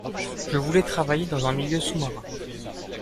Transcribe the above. Je voulais travailler dans un milieu sous-marin.